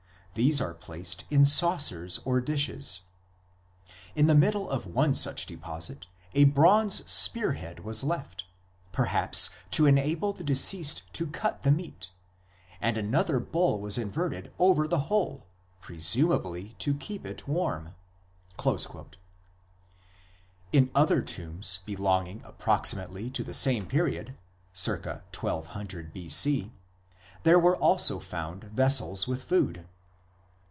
These are placed in saucers or dishes. In the middle of one such deposit a bronze spear head was left, perhaps to enable the deceased to cut the meat, and another bowl was inverted over the whole, presumably to keep it warm." l In other tombs, belonging approximately to the same period (circa 1200 B.C.) there were also found vessels with food.